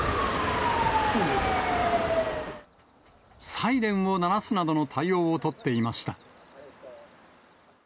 サイレンを鳴らすなどの対応を取っていました。